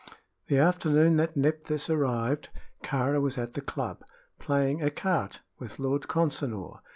The afternoon that Nephthys arrived, Kāra was at the club, playing écarté with Lord Consinor.